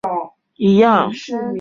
制作成员和原作一样。